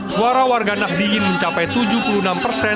suara warga nahdiin mencapai tujuh puluh enam persen